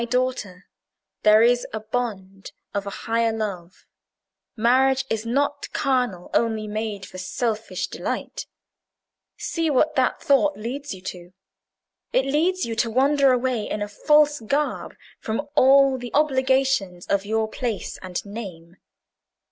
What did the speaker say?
"My daughter, there is the bond of a higher love. Marriage is not carnal only, made for selfish delight. See what that thought leads you to! It leads you to wander away in a false garb from all the obligations of your place and name.